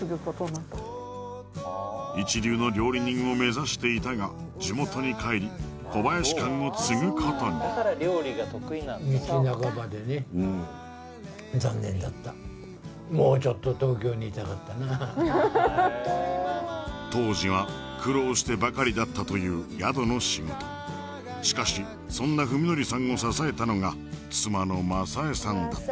一流の料理人を目指していたが地元に帰り小林館を継ぐことに当時は苦労してばかりだったという宿の仕事しかしそんな文紀さんを支えたのが妻の昌枝さんだった